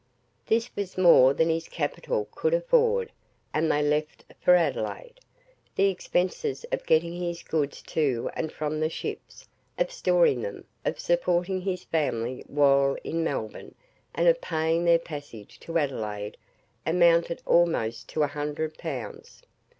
This was more than his capital could afford, and they left for Adelaide. The expenses of getting his goods to and from the ships, of storing them, of supporting his family while in Melbourne, and of paying their passage to Adelaide, amounted almost to 100 pounds.